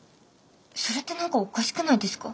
それって何かおかしくないですか？